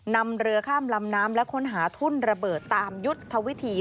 นำเรือข้ามลำน้ำและค้นหาทุ่นระเบิดตามยุทธวิธี